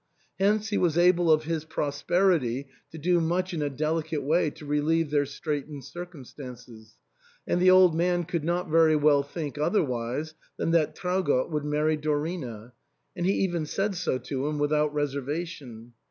Hence he was able of his prosperity to do much in a delicate way to relieve their straitened circumstances ; and the old man could not very well think otherwise than that Traugott would marry Dorina ; and he even said so to him without reservation.